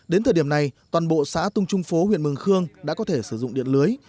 đến thời điểm này toàn bộ xã tung trung phố huyện mường khương đã có thể sử dụng điện lưới